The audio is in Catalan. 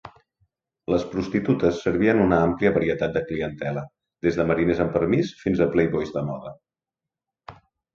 Les prostitutes servien una àmplia varietat de clientela, des de mariners en permís fins a playboys de moda.